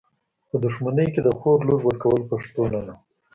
په دښمني کي د خور لور ورکول پښتو نده .